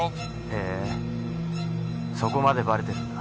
へえそこまでバレてるんだ。